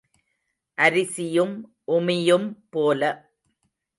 அரிசியும் உமியும் போல.